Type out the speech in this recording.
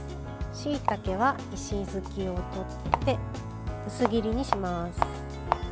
しいたけは石づきを取って薄切りにします。